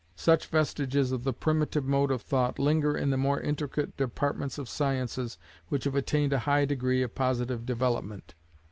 Such vestiges of the primitive mode of thought linger in the more intricate departments of sciences which have attained a high degree of positive development.